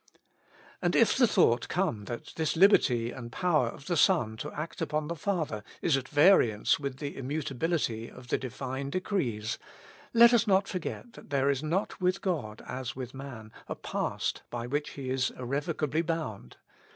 And if the thought come that this liberty and power of the Son to act upon the Father is at variance with the immutability of the Divine decrees, let us not for get that there is not with God as with man, a past by which He is irrevocably bound.